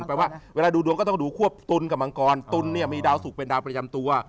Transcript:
แปลว่าเวลาดูดวงก็ต้องดูควบตุลกับมังกรตุลเนี่ยมีดาวสุกเป็นดาวประจำตัว